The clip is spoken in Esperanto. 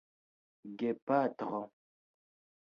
gepatro